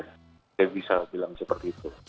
saya bisa bilang seperti itu